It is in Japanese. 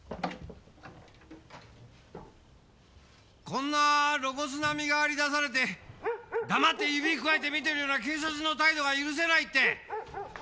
こんな露骨な身代わり出されて黙って指くわえて見てるような警察の態度が許せないって。